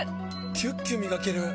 キュッキュ磨ける！